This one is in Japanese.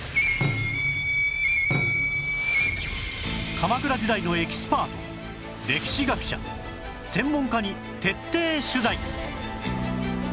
鎌倉時代のエキスパート歴史学者専門家に徹底取材